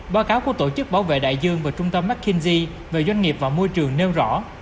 báo cáo của tổ chức bảo vệ đại dương và trung tâm mckinsey về doanh nghiệp và môi trường nêu rõ